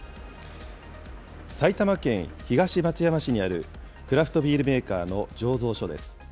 埼玉県東松山市にあるクラフトビールメーカーの醸造所です。